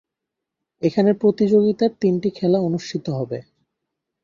এখানে প্রতিযোগিতার তিনটি খেলা অনুষ্ঠিত হবে।